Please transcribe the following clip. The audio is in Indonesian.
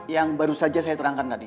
yang baru saja saya terangkan tadi